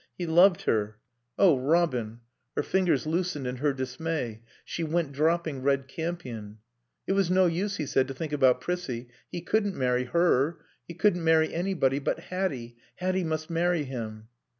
He loved her. "Oh, Robin " Her fingers loosened in her dismay; she went dropping red campion. It was no use, he said, to think about Prissie. He couldn't marry her. He couldn't marry anybody but Hatty; Hatty must marry him.